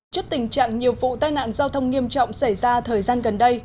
trước tình trạng nhiều vụ tai nạn giao thông nghiêm trọng xảy ra thời gian gần đây